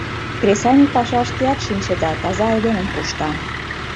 Кресаньык паша, шкеат шинчеда, таза айдемым кушта.